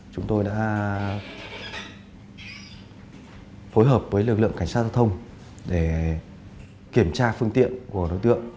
chúng tôi đã phối hợp với lực lượng cảnh sát giao thông để kiểm tra phương tiện của đối tượng